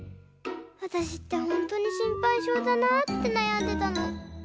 わたしってほんとに心配性だなってなやんでたの。